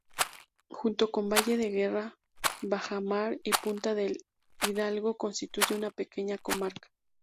Junto con Valle de Guerra, Bajamar y Punta del Hidalgo constituye una pequeña comarca.